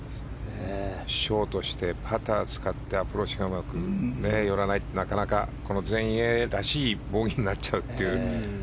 ショートしてパターを使ってアプローチがうまく寄らないってなかなかこの全英らしいボギーになっちゃうっていう。